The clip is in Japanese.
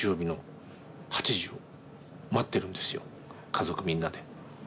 家族みんなで。